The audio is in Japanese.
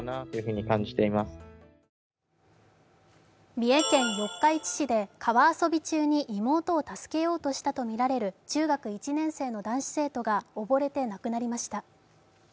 三重県四日市市で川遊び中に妹を助けようとしたとみられる中学１年生の男子生徒が溺れて亡くなりました。